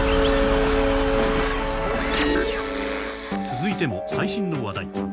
続いても最新の話題。